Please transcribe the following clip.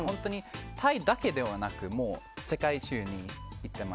タイだけじゃなくて世界中に行ってます